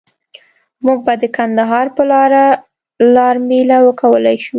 مونږ به د کندهار په لاره لار میله وکولای شو.